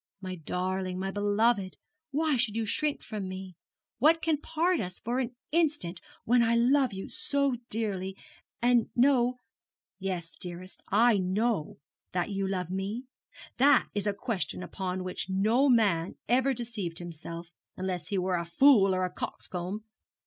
My darling, my beloved, why should you shrink from me? What can part us for an instant, when I love you so dearly, and know yes, dearest, I know that you love me? That is a question upon which no man ever deceived himself, unless he were a fool or a coxcomb.